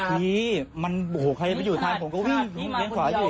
พี่มันโหใครอยู่ทางผมผมก็เฮี